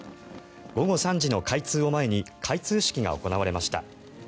午後３時の開通を前に開通式が行われました。